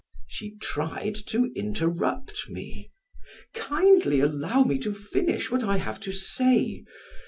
She tried to interrupt me. "Kindly allow me to finish what I have to say.